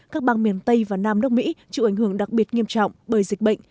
các bang miền tây và nam đốc mỹ chịu ảnh hưởng đặc biệt nghiêm trọng bởi dịch bệnh